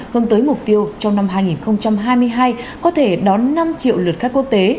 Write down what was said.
hướng tới mục tiêu trong năm hai nghìn hai mươi hai có thể đón năm triệu lượt khách quốc tế